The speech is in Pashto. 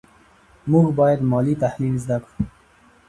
موږ باید مالي تحلیل زده کړو.